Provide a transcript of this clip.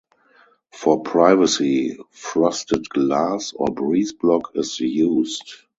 For privacy, frosted glass or breeze block is used.